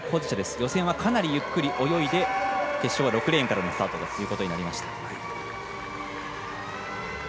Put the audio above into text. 予選はかなりゆっくり泳いで決勝は６レーンからのスタートとなりました。